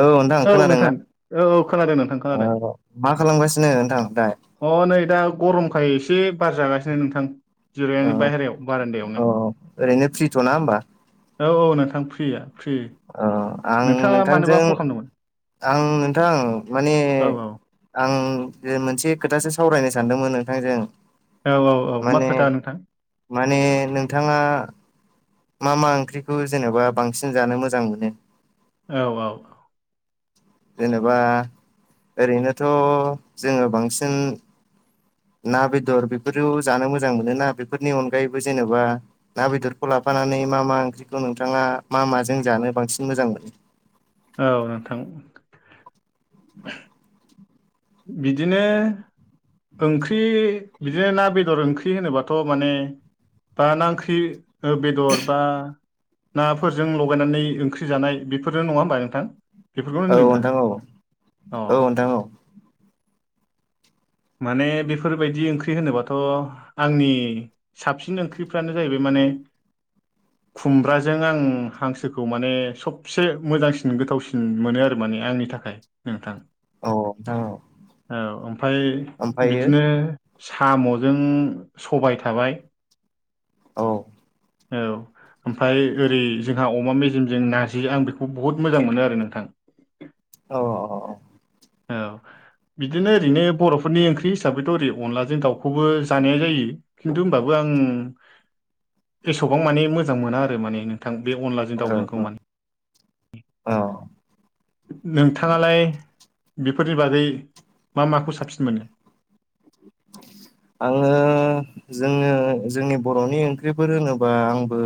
औ नोंथां खोनादों ना औ औ खोनादों नोंथां खो औ मा खालामगासिनो नोंथां दा अ नै दा गरमखाय एसे बार जागासिनो नोंथां ओ जिरायनानै बायहेरायाव बारान्दायावनो औ ओरैनो फ्रिथ'ना होमबा औ औ नोंथां फ्रिया फ्रि अ आं नोंथाङा मानोबा नोंथांजों कल खालामदोंमोन आं नोंथां माने औ औ आं मोनसे खोथासो सावरायनो सानदोंमोन नोंथांजों औ औ औ मा माने खोथा नोंथां? माने नोंथाङा मा मा ओंख्रिखौ जेनेबा बांसिन जानो मोजां मोनो औ औ जेनेबा ओरैनोथ' जोङो बांसिन ना, बेदर बेफोरो जानो मोजां मोन ना बेफोरनि अनगायैबो जेन'बा ना, बेदरखौ लाफानानै मा मा ओंख्रिखौ नोंथाङा मा माजों जानो बांसिन मोजां मोनो। औ नोंथां [inaudible] बिदिनो ओंख्रि बिदिनो ना बेदर ओंख्रि होनोबाथ' माने ओ ना ओंख्रि बेदर बा नाफोरजों लगायनानै ओंख्रि जानाय बेफोरजों नङा होमबा नोंथां। बेफोरखौनो औ होनदों दा नोंथां औ अ [unintelligible] माने बेफोरबायदि ओंख्रि होनोबाथ' आंनि साबसिन ओंख्रिफ्रानो जाहैबाय माने [inaudible] खुमब्राजों आं हांसोखौ माने सबसे मोजांसिन गोथावसिन मोनो आरो माने आंनि थाखाय नोंथां औ नोंथां औ औ ओमफाय ओमफ्रायो बिदिनो सामजों सबाय थाबाय औ औ ओमफ्राय ओरै जोंहा अमा मेजेमजों नारजि आं बेखौ बहुद मोजां मोनो आरो नोंथां। औ औ औ बिदिनो ओरैनो बर' फोरनि ओंख्रि हिसाबैथ' ओरै अनदलाजों दाउखौबो जानाया जायो खिन्थु होमबाबो आं एसेबां माने मोजां मोना आरो माने नोंथां बे अनलाजों औ दाउजोंखौ औ माने औ नोंथांङा लाय बेफोरनि बागै मा माखौ साबसिन मोनो। [inaudible] आङो जोङो जोंनि बर'नि ओंख्रिफोर होनोबा आंबो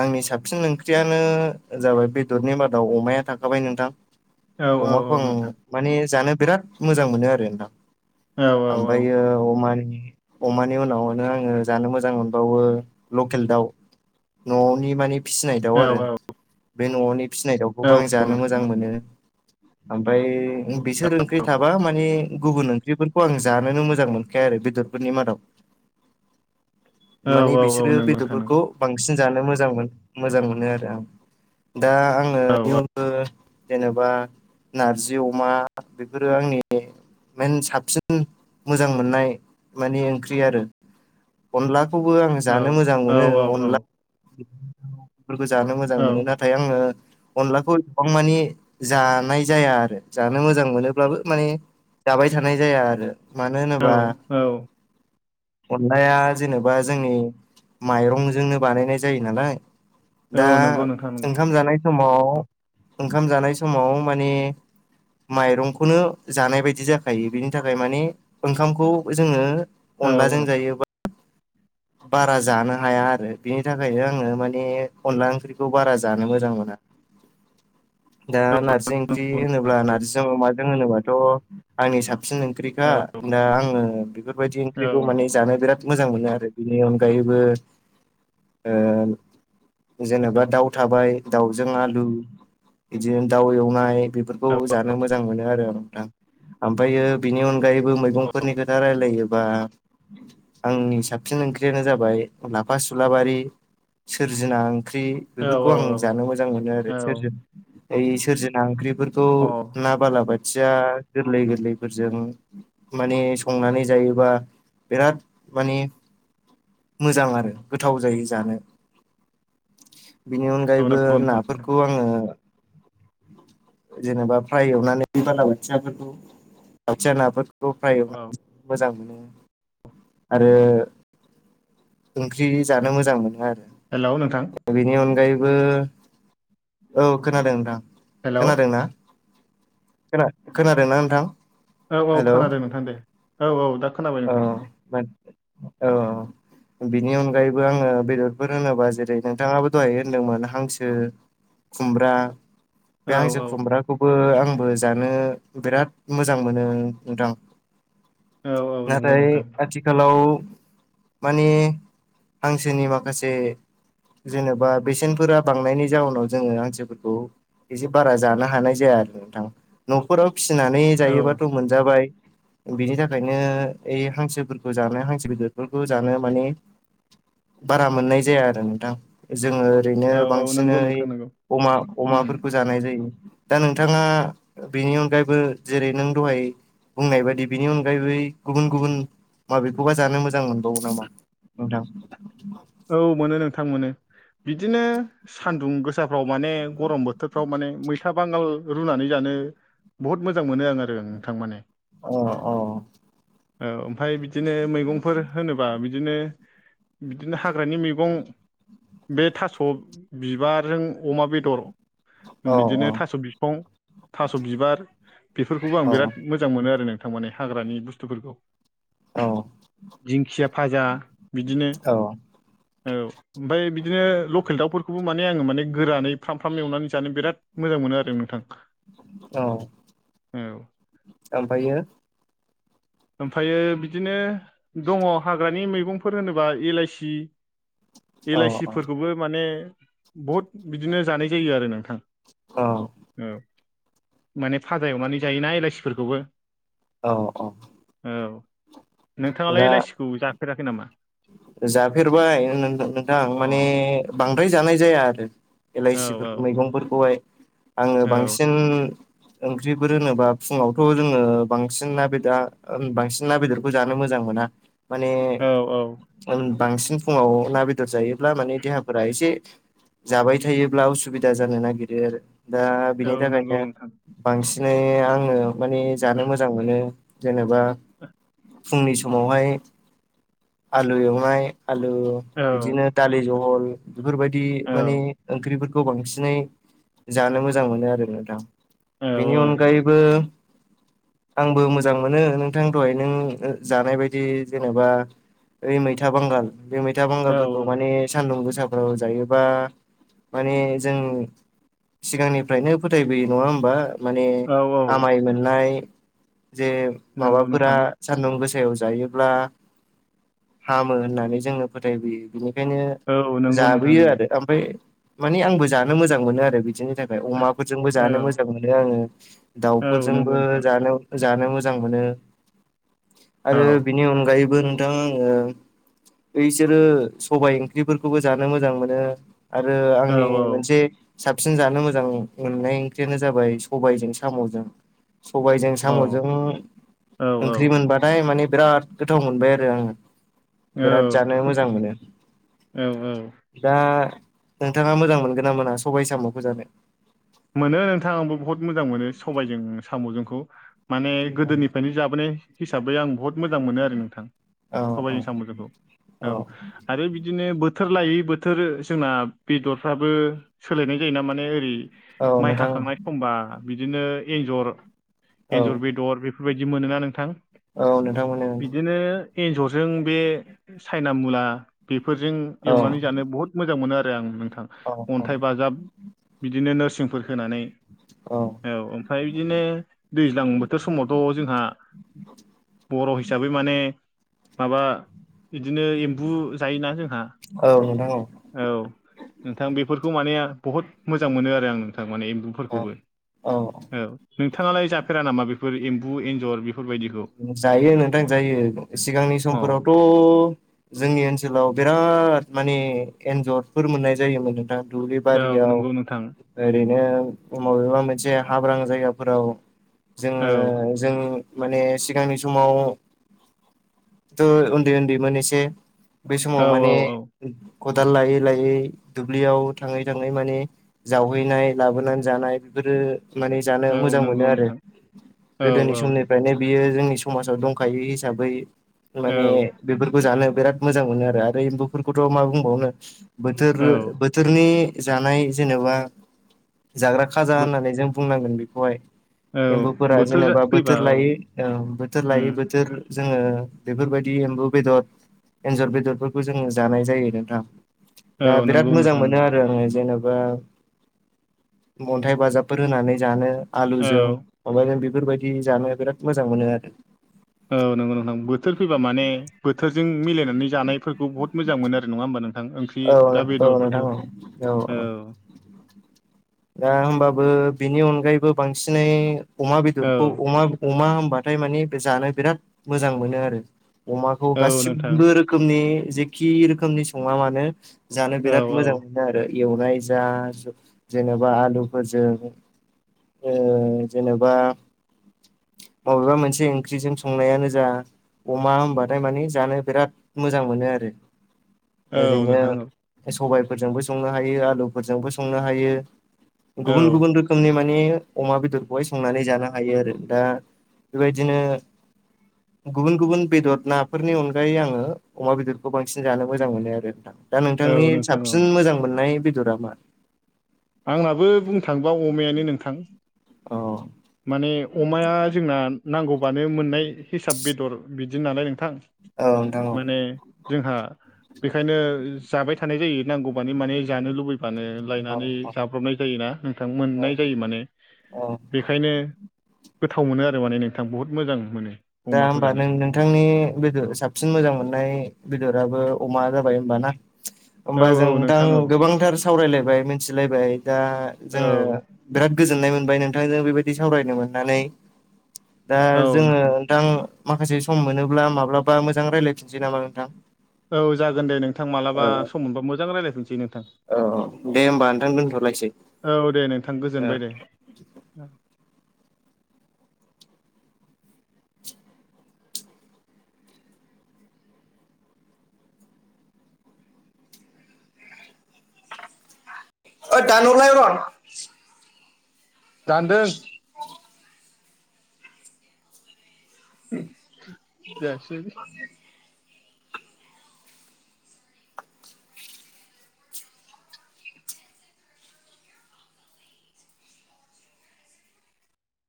आंनि साबसिन ओंख्रियानो जाबाय बेदरनि मादाव अमाया थाखाबाय नोंथां औ औ अमाखौ औ आं नोंथां माने जानो बिराद मोजां मोनो आरो नोंथां। औ औ औ ओमफ्रायो अमानि अमानि उनावनो आङो जानो मोजां मोनबावो लकेल दाउ न'नि माने फिसिनाय दाउ औ आरो औ बे न'नि फिसिनाय दाउखौबो आं औ जानो मोजां नोंथां मोनो। ओमफ्राय बिसोर ओंख्रि थाबा माने गुबुन ओंख्रिफोर खौ आं जानोनो मोजां मोनखाया आरो बेदरफोरनि मादाव औ माने औ औ बिसोरो नंगौ नोंथां बेदरफोरखौ नंगौ बांसिन जानो मोजां मोन मोजां मोनो आरो आं दा आङो औ बेनि अन ओ जेनेबा नारजि अमा बेफोरो आंनि मेन साबसिन मोजां मोननाय माने ओंख्रि आरो अनलाखौबो आं औ जानो मोजां मोनो औ औ औ अनला बेफोरखौ जानो मोजां औ मोनो नाथाय आङो अनलाखौ एथबां माने जानाय जाया आरो जानो मोजां मोनोब्लाबो माने जाबाय थानाय जाया आरो मानो होनोबा औ अनलाया जेनेबा जोंनि माइरंजोंनो बानायनाय जायो नालाय औ दा नंगौ नोंथां नंगौ ओंखाम जानाय समाव ओंखाम जानाय समाव माने माइरंखौनो जानाय बायदि जाखायो बेनि थाख खाय माने ओंखामखौ जोङो औ अनलाजों औ नंगौ नोंथां औ जायो बा बारा जानो हाया आरो बिनि थाखायनो आङो माने अनला ओंख्रिखौ बारा जानो मोजां मोना। दा नार्जि ओंख्रि होनोब्ला नार्जिजों अमाजों होनोबाथ' आंनि साबसिन ओंख्रिखा दा आङो बेफोरबायदि ओंख्रिखौ माने जानो बिराद मोजां मोनो आरो बेनि अनगायैबो ओ जेनेबा दाउ थाबाय दाउजों आलु बिदिनो दाउ एवनाय बेफोर खौ जानो मोजां मोनो आरो नोंथां ओमफायो बिनि अनगायैब बो मैगंफोरनि खोथा रायलायोबा आंनि सा साबसिन ओंख्रियानो जाबाय लाफा सुलाबारि सोरजिना ओंख्रि बेफोरखौ आं जानो मोजां मोनो आरो सोरजि ओइ सोरजिना ओंख्रिफोर थ' ना बालाबाथिया गोरलै गोरलैफोरजों माने संनानै जायोबा बिराद माने मोजां आरो गोथाव जायो जानो बेनि अनगायैबो नाफोरखौ आङो जेनेबा फ्राय एवनानै बालाबोथियाफोरखौ बोथिया नाफोर बेखौ फ्राय एवनानैसो मोजां मोनो। आरो ओंख्रि जानो मोजां मोनो आरो हेलौ‌ नोंथां बेनि अनगायैबो औ खोनादों नोंथां हेलौ खोनादोंना खोना खोनादोंना नोंथां? औ औ खोनादों नोंथां दे औ औ दा खोनाबाय ओ नोंथां मोन औ अ बिनि अनगायैबो आङो बेदरफोर होनोबा जेरै नोंथाङाबो दहाय होनदोंमोन हांसो खुम्ब्रा बे औ हांसो औ खुम्ब्राखौबो आंबो जानो बिराद मोजां मोनो नोंथां। औ औ नंगौ नाथाय नोंथां आथिखालाव माने हांसोनि माखासे जेनेबा बेसेनफोरा बांनायनि जाउनाव जोङो हांसोफोरखौ एसे बारा जानो हानाय जाया आरो नोंथां न'खराव फिसिनानै औ जायोबाथ' मोनजाबाय बिनि थाखायनो ए हांसोफोरखौ जानो हांसो बेदरफोरखौ जानो माने बारा मोननाय जाया आरो नोंथां जोङो ओरैनो औ औ बांसिनै नंगौ नोंथां नंगौ अमा उम अमाफोरखो जानाय जायो दा नोंथाङा बिनि अनगायैबो जेरै नों दहाय बुंनाय बादि बिनि अनगायै बै गुबुन गुबुन माबेखौबा जानो मोजां मोनबावो नामा नोंथां? औ मोनो नोंथां मोनो बिदिनो सान दुं गोसाफ्राव माने गरम बोथोरफ्राव माने मैथा बांगाल रुनानै जानो बहुत मोजां मोनो आं आरो नोंथां माने अ अ औ ओमफ्राय बिदिनो मैगंफोर होनोबा बिदिनो बिदिनो हाग्रानि मैगं बे थास बिबारजों अमा बेदर औ औ बिदिनो थास बिफं थास बिबार बेफोरखौबो आं बिराद मोजां मोनो आरो नोंथां माने हाग्रानि बुस्थुफोरखौ औ दिंखिया भाजा बिदिनो औ औ ओमफ्राय बिदिनो लकेल दाउफोरखौबो माने आङो माने गोरानै फ्राम फ्राम एवनानै जानो बिराद मोजां मोनो आरो नोंथां औ औ ओमफ्रायो ओमफ्रायो बिदिनो दङ हाग्रानि मैगंफोर होनोबा इलाइसि औ एलाइसिफोरखौबो माने बहुद बिदिनो जानाय जायो आरो नोंथां औ औ माने फाजा एवनानै जायोना इलाइसिफोरखौबो औ औ औ नोंथाङालाय दा एलाइसिखौ जाफेराखै नामा जाफेरबाय ओ नों नोंथां अ माने बांद्राय जानाय जाया आरो औ एलाइसि औ मैगंफोरखौहाय आङो औ बांसिन ओंख्रिफोर होनोबा फुङावथ जोङो बांसिन ना बेदा ओ बांसिन ना बेदर जानो मोजां मोना माने औ औ ओम बांसिन फुङाव ना बेदर जायोब्ला माने देहाफोरा एसे जाबाय थायोब्ला उसुबिदा जानो नागिरो आरो दा औ बिनि थाखायनो नंगौ नोंथां बांसिनै आङो माने जानो मोजां मोनो। जेनेबा फुंनि समावहाय आलु एवनाय आलु औ बिदिनो दालि जहल बेफोरबायदि औ माने ओंख्रिफोरखौ बांसिनै जानो मोजां मोनो आरो नोंथां औ बिनि अनगायैबो आंबो मोजां मोनो नोंथां दहाय नों जानाय बायदि जेनेबा ओ मैथा बांगाल बे मैथा औ बांगालफोरखौ माने सान्दुं गोसा ओ जायोबा माने जों सिगांनिफ्रायनो फोथायबोयो नङा होमबा माने औ औ आमाय मोननाय जे नंगौ माबाफोरा नोंथां सान्दुं गोसायाव जायोब्ला हामो होननानै जोंनो फोथायबोयो बेनिखायनो औ नंगौ नोंथां जाबोयो नंगौ आरो ओमफ्राय माने आंबो जानो मोजां मोनो आरो बिदिनि थाखाय ओमफ्राय अमाफोरजोंबो औ जानो मोजां मोनो आङो औ दाउफोरजोंबो नंगौ नोंथां जानो जानो मोजां मोनो औ आरो बिनि अनगायैबो नोंथां बिसोरो सबाय ओंख्रिफोरखौबो जानो मोजां मोनो आरो औ आंनि मोनसे साबसिन जानो मोजां मोननाय ओंख्रियानो जाबाय सबायजों साम'जों सबायाइजों औ साम'जों औ ओंख्रि मोनबाथाय माने बिराद गोथाव मोनबाय आरो आङो औ बिराद जानो मोजां मोनो औ दा नोंथाङा मोजां मोनगोन ना मोना सबाय साम'खौ जानो मोनो नोंथां आंबो बहुत मोजां मोनो सबायजों साम'जोंखौ माने गोदोनि बेओंखायनो जाबोनाय हिसाबै आं बहुत मोजां मोनो आरो नोंथां औ औ सबायाइनि साम'जखौ औ आरो बिदिनो बोथोर लायै बोथोर जोंना बेदरफ्राबो सोलायनाय जायोना माने ओरै औ माइ नोंथां हाखांनाय समबा बिदिनो एन्जर औ एन्जर बेदर बे बेफोरबायदि मोनोना नोंथां औ नोंथां मोनो बिदिनो एन्जरजों बे सायना मुला बेफोरजों औ एवनानै जानो बहुद मोजां मोनो आरो आं नोंथां औ औ अन्थाइ बाजाब बिदिनो नोरसिंफोर होनानै औ औ ओमफ्राय बिदिनो दैज्लां बोथोर समावथ' जोंहा बर' हिसाबै माने माबा बिदिनो एम्बु जायोना जोंहा औ नोंथां औ औ नोंथां बेफोरखौ माने बहुत मोजां मोनो आरो आं नोंथां माने एम्बु औ फोरखौबो औ नोंथांआलाय जाफेरा नामा बेफोरबादि एम्बु एन्जर बेफोरबायदिखौ जायो नोंथां जायो सिगांनि अ समफोरावथ' जोंनि ओनसोलाव बिराद माने एन्जरफोर मोननाय जायोमोन नोंथां दुब्लि औ बारियाव नंगौ नोंथां ओरैनो माबेबा मोनसे हाब्रां जायगाफोराव जोङो औ जों माने सिगांनि समावथ' उन्दै उन्दैमोन एसे बेै औ समाव औ माने औ खदाल लायै लायै दुब्लियाव थाङै थाङै माने जावहैनाय लाबोनानै जानाय बेफोरो माने जानो औ मोजां मोनो नंगौ आरो नोंथां औ गोदोनि औ समनि ओंखायनो बियो जोंनि समाजाव दंखायो हिसाबै औ माने बेफोरखौ जानो बिराद मोजां मोनो आरो आरो एम्बुफोरखौथ' मा बुंबावनो बोथोर बोथोरनि जानाय जेनेबा जाग्रा खाजा औ होननानै जों बुंनांगोन बेखौहाय एम्बुफोरा बोथोर जेनेबा फैबा बोथोर औ लायै औ बोथोर उम लायै बोथोर जोङो बेफोरबायदि एम्बु बेदर एन्जर बेदरफोरखौ जोङो जानाय जायो नोंथां औ दा नंगौ बिराद मोजां नोंथां मोनो नंगौ आरो आङो जेनेबा अन्थाइ बाजाबफोर होनानै जानो औ आलुजों [unintelligible] बेफोरबायदि जानो बिराद मोजां मोनो आरो औ नंगौ नोंथां बोथोर फैबा माने बोथोरजों मिलायनानै जानायफोरखौ बुहुत मोजां मोनो आरो नङा होमबा नोंथां थां ओंख्रि औ दा नोंथां बेदरफोरखौ औ औ दा होमबाबो बेनि अनगायैबो बांसिनै अमा बेदरखौ औ अमा अमा होनबाथाय माने बे जानो बिराद मोजां मोनो आरो अमाखौ औ नोंथां गासिबो रोखोमनि जेखि रोखोमनि सङा मानो जानो औ बिराद मोजां मोनो आरो एवनाय जा- जेनेबा आलुफोरजों जेनेबा मबेबा मोनसे ओंख्रिजों संनायानो जा अमा होनबाथाय माने जानो बिराद मोजां मोनो आरो औ नोंथां औ ओरैनो सबायफोरजोंबो संनो हायो आलुफोरजोंबो संनो हायो गुबुन गुबुन रो- खोमनि माने अमा बेदरखौहाय संनानै जानो हायो आरो दा बेबायदिनो [inaudible] गुबुन गुबुन बेदर नाफोरनि अनगायै आङो अमा बेदरखौ बांसिन जानो मोजां मोनो आरो नोंथां दा औ नोंथांनि नोंथां औ साबसिन मोजां मोननाय बेदरा मा आंनाबो बुंनो थाङोबा अमायानो नोंथां औ माने अमाया जोंना नांगौबानो मोननाय हिसाब बेदर बिदि नालाय नोंथां औ नोंथां औ माने जोंहा बेखायनो जाबाय थानाय जायो नांगौबानो माने जानो लुबै माने औ लायनानै औ जाब्रबनाय जायोना नोंथां औ मोननाय जायो माने औ बेखायनो गोथाव मोनो आरो माने नोंथां बहुद मोजां मोनो दा अमाखौ होमबा जानो नों नोंथांनि बेदोर साबसिन मोजां मोननाय बेदराबो अमा जाबाय होमबा ना? औ होमबा जों औ थां नोंथां औ गोबांथार सावरायलायबाय मिथिलायबाय दा जोंङो औ बिराद गोजोननाय मोनबाय नोंथांजों बेबायदि सावरायनो मोननानै दा औ जोंङो नोंथां थां माखासे सम मोनोब्ला माब्लाबा मोजां रायज्लायफिनसै नामा नोंथां? औ जागोन दे नोंथां मालाबा सम मोनबा मोजां रायलायफिनसै नोंथां। औ औ दे होमबा नोंथां दोनथ'लायसै, औ दे नोंथां ओ गोजोनबाय दे ओय दानहरलाय अरन दानदों। जायासै